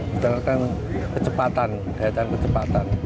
kita lakukan kecepatan daya tahan kecepatan